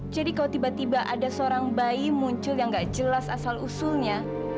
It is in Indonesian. jadi kalau tiba tiba ada seorang bayi muncul yang nggak jelas asal usulnya